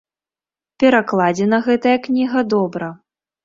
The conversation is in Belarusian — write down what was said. Перакладзена гэтая кніга добра.